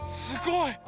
すごい。